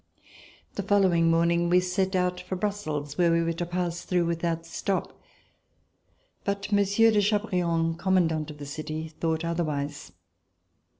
The following morning, we set out for Brussels which we were to pass through without stop. But Monsieur de Chabrillan, commandant of the city, thought otherwise.